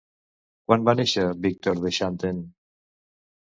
Quan va néixer Víctor de Xanten?